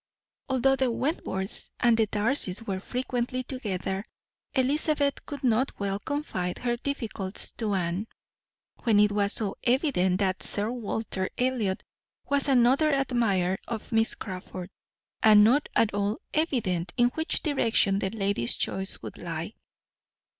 Although the Wentworths and the Darcys were frequently together, Elizabeth could not well confide her difficulties to Anne, when it was so evident that Sir Walter Elliot was another admirer of Miss Crawford, and not at all evident in which direction the lady's choice would lie!